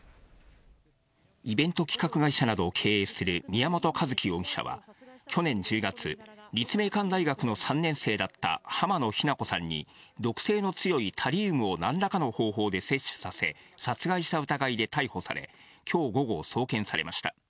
イベント企画会社などを経営する宮本一希容疑者は、去年１０月、立命館大学の３年生だった浜野日菜子さんに、毒性の強いタリウムをなんらかの方法で摂取させ、殺害した疑いで逮捕され、きょう午後、送検されました。